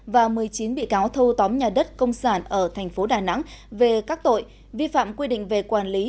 và một mươi chín bị cáo thâu tóm nhà đất công sản ở thành phố đà nẵng về các tội vi phạm quy định về quản lý